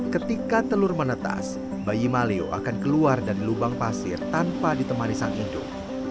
ketika telur menetas bayi maleo akan keluar dari lubang pasir tanpa ditemani sang induk